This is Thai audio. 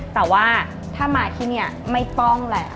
แต่ว่าถ้ามาที่นี่ไม่ป้องแหละ